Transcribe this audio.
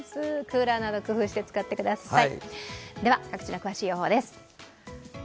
クーラーなど、工夫して使ってください。